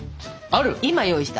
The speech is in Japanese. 今用意した。